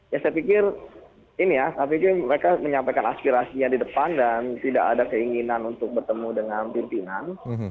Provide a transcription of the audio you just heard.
ya saya pikir ini ya saya pikir mereka menyampaikan aspirasinya di depan dan tidak ada keinginan untuk bertemu dengan pimpinan